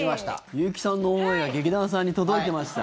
美由紀さんの思いが劇団さんに届いてました。